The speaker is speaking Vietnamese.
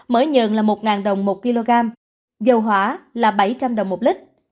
mỡ nhờn là một đồng một kg dầu hỏa là bảy trăm linh đồng một lít